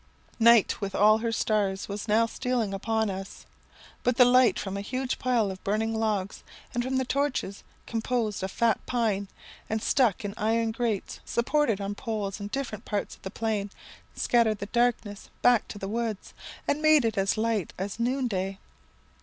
"Night, with all her stars, was now stealing upon us; but the light from a huge pile of burning logs, and from torches composed of fat pine, and stuck in iron grates supported on poles in different parts of the plain, scattered the darkness back to the woods, and made it as light as noon day.